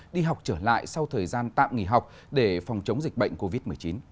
đi học trở lại sau thời gian tạm nghỉ học để phòng chống dịch bệnh covid một mươi chín